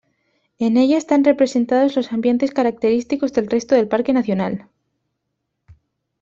En ella están representados los ambientes característicos del resto del Parque nacional.